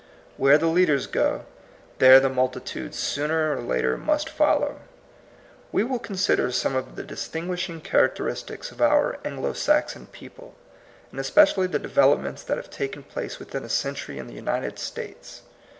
Where the leaders go, there the multitudes sooner or later must fol low. We will consider some of the distin guishing characteristics of our Anglo Saxon people, and especially the developments that have taken place within a century in the United States.